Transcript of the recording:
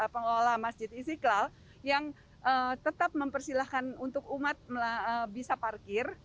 pengelola masjid istiqlal yang tetap mempersilahkan untuk umat bisa parkir